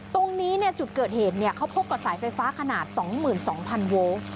ตรงนี้จุดเกิดเหตุเขาพบกับสายไฟฟ้าขนาดสองหมื่นสองพันโวล